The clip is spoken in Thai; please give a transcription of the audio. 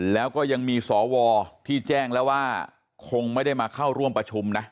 แล้วก็ยังมีสวที่แจ้งแล้วว่าคงไม่ได้มาเข้าร่วมประชุมนะ